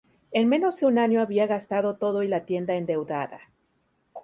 En menos de un año había gastado todo y la tienda endeudada.